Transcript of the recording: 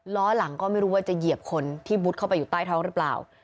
ล้อหลังก็ไม่รู้ว่าจะเหยียบคนที่มุดเข้าไปอยู่ใต้ท้องหรือเปล่า